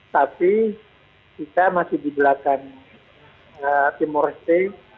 tapi kita masih di belakang timur leste